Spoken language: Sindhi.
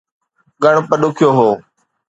ڳڻپ ڏکيو هو